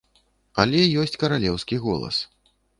Але ёсць каралеўскі голас.